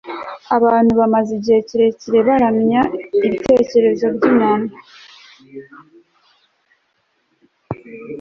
Abantu bamaze igihe kirekire baramya ibitekerezo byumuntu n